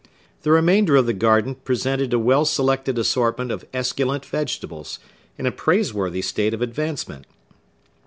The remainder of the garden presented a well selected assortment of esculent vegetables, in a praiseworthy state of advancement.